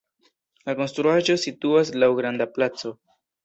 La konstruaĵo situas laŭ granda placo.